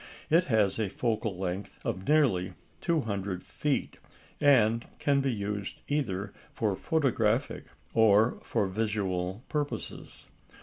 It has a focal length of nearly 200 feet, and can be used either for photographic or for visual purposes.